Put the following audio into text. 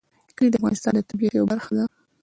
کلي د افغانستان د طبیعت یوه برخه ده.